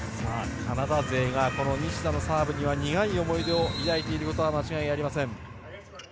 カナダ勢が西田のサーブには苦い思いを抱いていることは間違いありません。